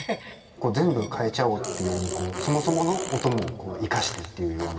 こう全部変えちゃおうっていうよりもこうそもそもの音も生かしてっていうような。